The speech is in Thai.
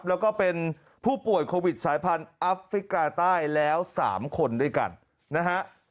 แล้วก็เป็นผู้ป่วยโควิดสายพันธุ์อัฟริกาใต้แล้ว๓คนด้วยกันนะฮะ